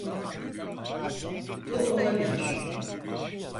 Bu olabilir.